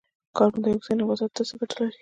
کاربن ډای اکسایډ نباتاتو ته څه ګټه لري؟